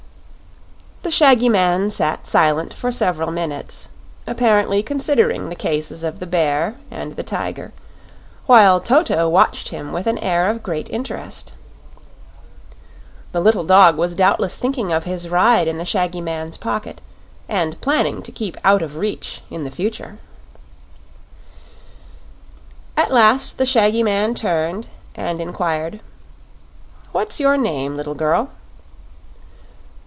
The shaggy man sat silent for several minutes, apparently considering the cases of the bear and the tiger, while Toto watched him with an air of great interest. The little dog was doubtless thinking of his ride in the shaggy man's pocket and planning to keep out of reach in the future. At last the shaggy man turned and inquired, "What's your name, little girl?"